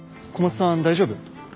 小松さん大丈夫？